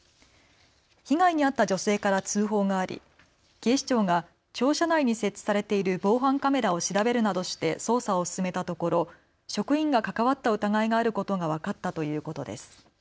被害に遭った女性から通報があり警視庁が庁舎内に設置されている防犯カメラを調べるなどして捜査を進めたところ、職員が関わった疑いがあることが分かったということです。